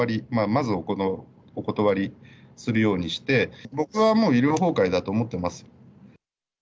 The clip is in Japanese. まずはお断りするようにして、僕はもう医療崩壊だと思ってます。